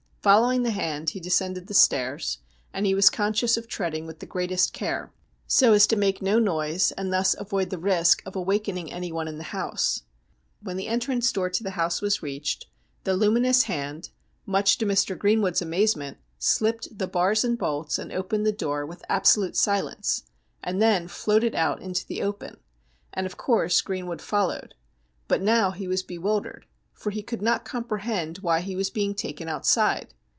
Following the hand he descended the stairs, and he was conscious of treading with the greatest care, so as to make no noise, and thus avoid the risk of awakening anyone in the house. When the entrance door to the house was reached the luminous hand, much to Mr. Greenwood's i 84 STORIES WEIRD AND WONDERFUL amazement, slipped the bars and bolts, and opened the door with absolute silence, and then floated out into the open, and of course Greenwood followed ; but now he was bewildered, for he could not comprehend why he was being taken outside.